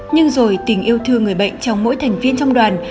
nhưng rồi tình yêu thương người bệnh trong mỗi thành viên trong đoàn